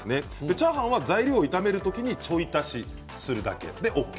チャーハンは材料を炒める時にちょい足しするだけです。